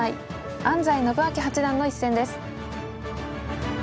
安斎伸彰八段の一戦です。